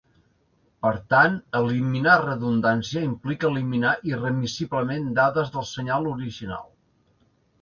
Per tant, eliminar redundància implica eliminar irremissiblement dades del senyal original.